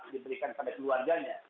diberikan kepada keluarganya